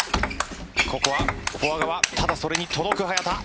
ここはフォア側ただそれに届く早田。